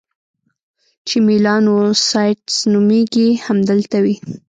چې میلانوسایټس نومیږي، همدلته وي.